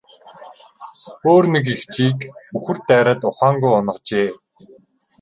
Өөр нэг эгчийг үхэр дайраад ухаангүй унагажээ.